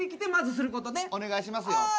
お願いしますよ。